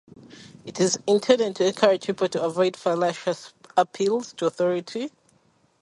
It is intended to encourage people to avoid fallacious appeals to authority.